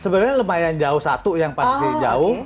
sebenarnya lumayan jauh satu yang pasti jauh